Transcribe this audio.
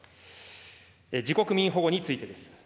自国民保護についてです。